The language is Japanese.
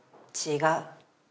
違う。